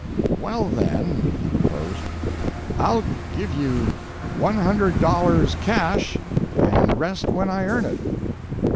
"Well, then," he proposed, "I'll give you one hundred dollars cash, and the rest when I earn it."